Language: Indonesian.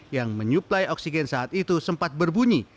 yang menyuplai oksigen saat itu sempat berbunyi